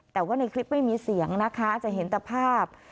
แต่ว่าในคลิปไม่มีเสียงนะคะจะเห็นแต่ภาพ